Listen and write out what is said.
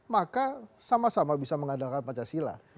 maka sama sama bisa mengandalkan pancasila